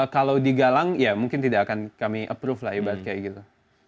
kalau digalang ya mungkin tidak akan kami approve lah ibarat kayak gitu